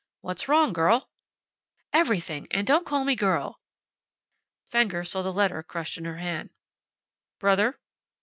"What's wrong, girl?" "Everything. And don't call me girl." Fenger saw the letter crushed in her hand. "Brother?"